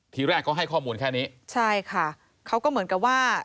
ทีแรกเขาให้ข้อมูลแค่นี้ใช่ค่ะเขาก็เหมือนกับว่า